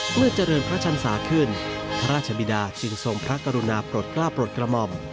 เมื่อเจริญพระชันศาขึ้นพระราชบิดาจึงทรงพระกรุณาปลดกล้าปลดกระหม่อม